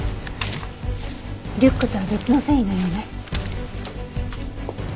リュックとは別の繊維のようね。